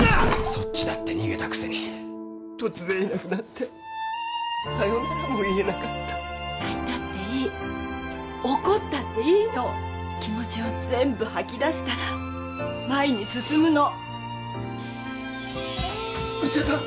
そっちだって逃げたくせに突然いなくなってさよならも言えなかった泣いたっていい怒ったっていいの気持ちを全部吐き出したら前に進むの内田さん